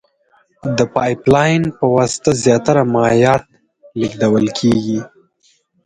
د پایپ لین په واسطه زیاتره مایعات لېږدول کیږي.